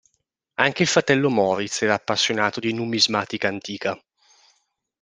Anche il fratello Moritz era appassionato di numismatica antica.